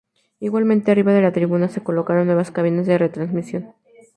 Igualmente arriba de la tribuna se colocaron nuevas cabinas de retransmisión.